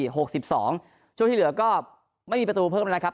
ช่วงที่เหลือก็ไม่มีประตูเพิ่มนะครับ